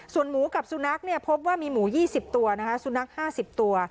ส่วนหมูกับสุนัขพบว่ามีหมู๒๐ตัวนะคะสุนัข๕๐ตัว